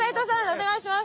お願いします。